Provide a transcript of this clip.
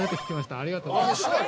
ありがとうございます。